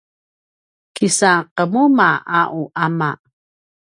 isan qemuma a u ama